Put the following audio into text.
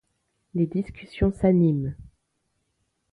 Les discussions s'animent.